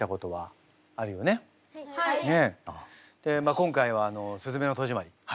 今回は「すずめの戸締まり」